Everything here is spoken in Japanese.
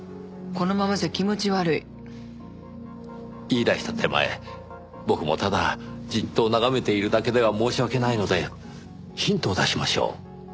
言い出した手前僕もただじっと眺めているだけでは申し訳ないのでヒントを出しましょう。